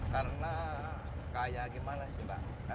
karena kayak gimana sih mbak